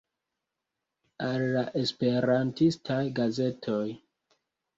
Al la Esperantistaj Gazetoj.